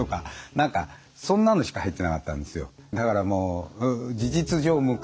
何かそんなのしか入ってなかったんですよ。